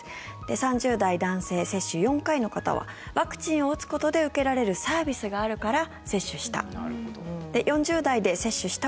３０代男性、接種４回の方はワクチンを打つことで受けられるサービスがあるから接種した。